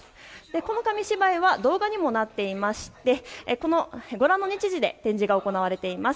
この紙芝居は動画にもなっていましてご覧の日時で展示が行われています。